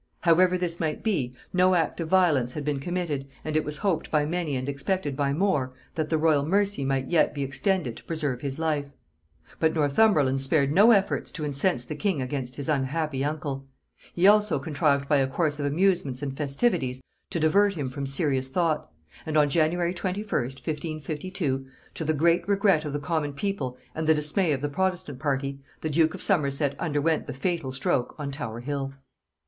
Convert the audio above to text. However this might be, no act of violence had been committed, and it was hoped by many and expected by more, that the royal mercy might yet be extended to preserve his life: but Northumberland spared no efforts to incense the king against his unhappy uncle; he also contrived by a course of amusements and festivities to divert him from serious thought; and on January 21st 1552, to the great regret of the common people and the dismay of the protestant party, the duke of Somerset underwent the fatal stroke on Tower hill.